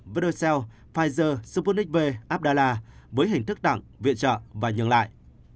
virocell pfizer sputnik v abdala với hình thức tặng viện trợ và nhận lại